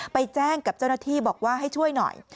ไปแจ้งกับเจ้าหน้าที่บอกว่าให้ช่วยหน่อย